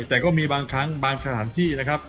แต่ก็มีบางครั้งบางสถานที่นะครับ